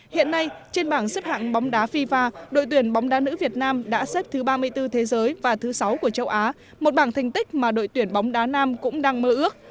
hiện nay trên bảng xếp hạng bóng đá fifa đội tuyển bóng đá nữ việt nam đã xếp thứ ba mươi bốn thế giới và thứ sáu của châu á một bảng thành tích mà đội tuyển bóng đá nam cũng đang mơ ước